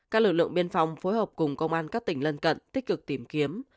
các lực lượng biên phòng phối hợp cùng công an các tỉnh lân cận tích cực tìm kiếm